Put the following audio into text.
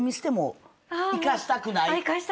行かしたくない。